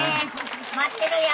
待ってるよ！